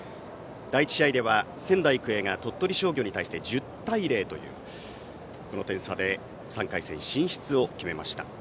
第１試合では仙台育英が鳥取商業に対して１０対０という点差で３回戦進出を決めました。